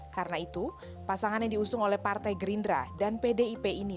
karena itu pasangan yang diusung oleh partai gerindra dan pdip ini